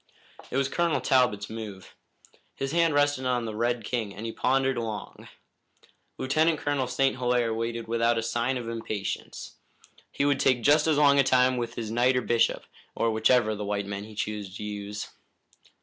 It was Colonel Talbot's move. His hand rested on the red king and he pondered long. Lieutenant Colonel St. Hilaire waited without a sign of impatience. He would take just as long a time with his knight or bishop, or whichever of the white men he chose to use.